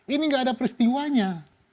ini nggak ada peristiwanya